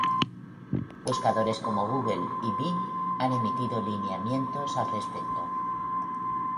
Buscadores como Google y Bing han emitido lineamientos al respecto.